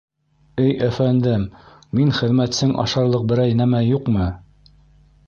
— Эй әфәндем, мин хеҙмәтсең ашарлыҡ берәй нәмә юҡмы?